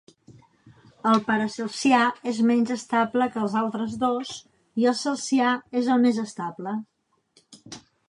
El paracelsià és menys estable que els altres dos i el celsià és el més estable.